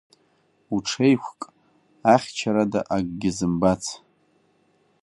Уҽеиқәк, ахьчарада акгьы зымбац!